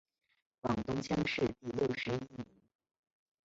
广东乡试第六十一名。